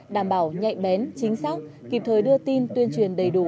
đảm bảo nhạy bén chính xác kịp thời đưa tin tuyên truyền đầy đủ